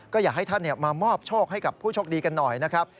ก็อยากให้ท่านมามอบโชคให้กับผู้โชคดีกันหน่อยนะครับ